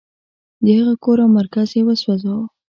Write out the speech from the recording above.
د هغه کور او مرکز یې وسوځاوه.